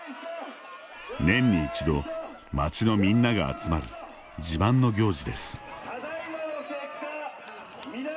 年に一度、町のみんなが集まる自慢の行事です。